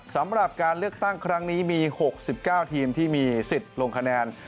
สำหรับการเลือกตั้งครั้งนี้มี๖๙ทีมที่มีสิทธิ์ลงคะแนน